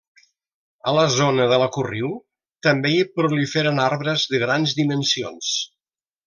A la zona de la Corriu també hi proliferen arbres de grans dimensions.